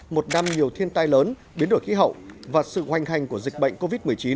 một năm nhiều thiên tai lớn biến đổi khí hậu và sự hoành hành của dịch bệnh covid một mươi chín